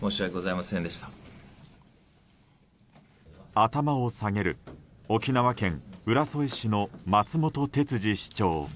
頭を下げる沖縄県浦添市の松本哲治市長。